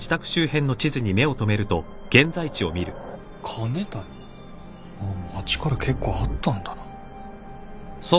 「庚申谷」あっ町から結構あったんだな。